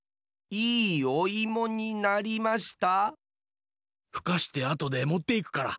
いいおいもになりました。